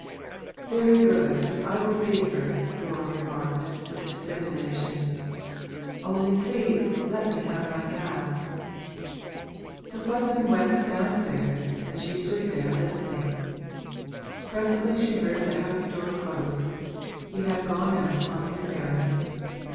'Very good, I will see her,' Laura remarked, with dissimulation: 'only please let me have my cab.' The footman went downstairs and she stood there listening; presently she heard the house door close he had gone out on his errand.